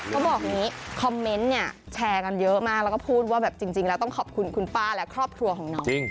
เขาบอกอย่างนี้คอมเมนต์เนี่ยแชร์กันเยอะมากแล้วก็พูดว่าแบบจริงแล้วต้องขอบคุณคุณป้าและครอบครัวของน้อง